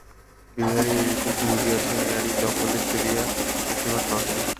বিহারী এটুকু বুঝিয়াছে, এ নারী জঙ্গলে ফেলিয়া রাখিবার নহে।